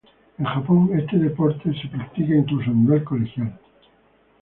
En Japón, este deporte es practicado incluso a nivel colegial.